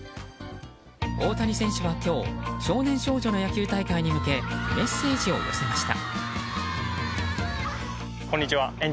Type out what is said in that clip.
大谷選手は今日少年少女の野球大会に向けメッセージを寄せました。